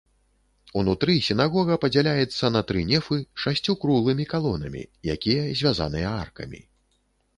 Унутры сінагога падзяляецца на тры нефы шасцю круглымі калонамі, якія звязаныя аркамі.